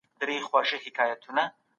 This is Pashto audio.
د هر ډول اسنادو کتل د څېړونکي دنده ده.